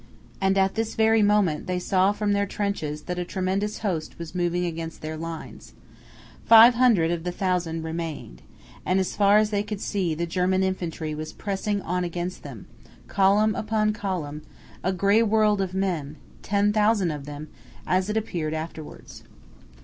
And at this very moment they saw from their trenches that a tremendous host was moving against their lines. Five hundred of the thousand remained, and as far as they could see the German infantry was pressing on against them, column upon column, a gray world of men, ten thousand of them, as it appeared afterwards.